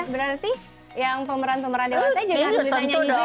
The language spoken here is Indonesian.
berarti yang pemeran pemeran di awas aja bisa nyanyi juga